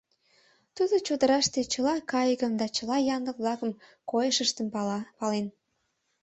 Тудо чодыраште чыла кайыкым да чыла янлык-влакын койышыштым пален.